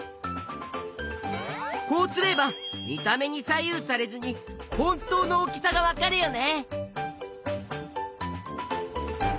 こうすれば見た目に左右されずに本当の大きさがわかるよね。